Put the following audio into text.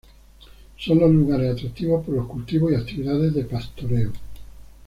Son los lugares atractivos por los cultivos y actividades de pastoreo.